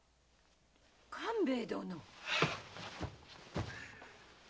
官兵衛殿⁉